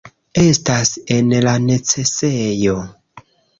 Estas en la necesejo!